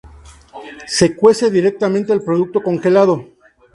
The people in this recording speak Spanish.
Se cuece directamente el producto congelado.